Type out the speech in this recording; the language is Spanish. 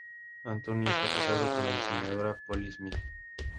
Anthony está casado con la diseñadora Polly Smyth.